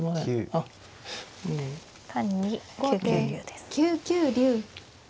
単に９九竜です。